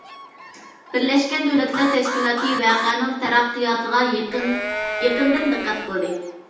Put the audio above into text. بىرلەشكەن دۆلەتلەر تەشكىلاتى ۋەقەنىڭ تەرەققىياتىغا يېقىندىن دىققەت قىلدى.